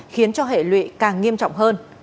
khiến cho hệ lụy càng nghiêm trọng hơn